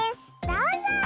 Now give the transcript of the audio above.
どうぞ！